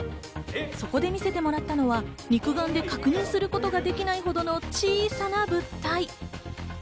そこで見せてもらったのは肉眼で確認することができないほどの小さな物体。